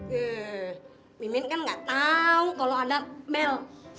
he mimin kan gak tau kalau ada bel